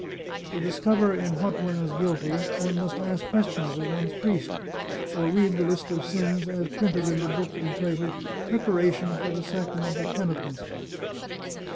To discover in what one is guilty, we must ask questions of one's priest, or read the list of sins as printed in the book entitled Prepara tion for the Sacrament of Penitence.